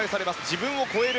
自分を超える。